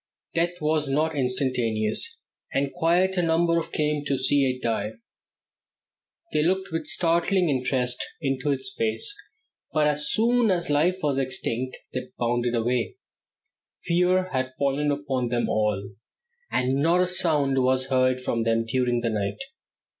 Death was not instantaneous, and quite a number came around to see it die. They looked with startling interest into its face, but as soon as life was extinct they bounded away. Fear had fallen upon them all, and not a sound was heard from them during the night.